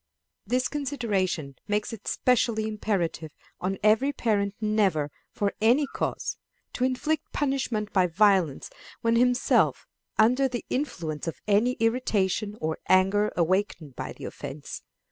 This consideration makes it specially imperative on every parent never, for any cause, to inflict punishment by violence when himself under the influence of any irritation or anger awakened by the offense.